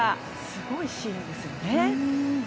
すごいシーンですよね。